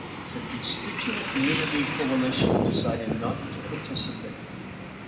The Constituent Unity coalition decided not to participate.